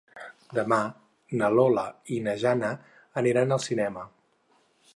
Demà na Lola i na Jana aniran al cinema.